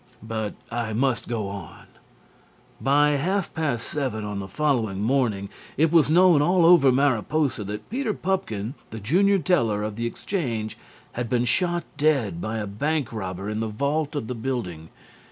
But I must go on. By half past seven on the following morning it was known all over Mariposa that Peter Pupkin the junior teller of the Exchange had been shot dead by a bank robber in the vault of the building.